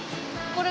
これ。